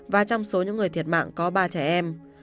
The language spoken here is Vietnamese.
và trong số những người thiệt mạng có ba trẻ em